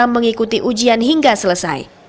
mengikuti ujian hingga selesai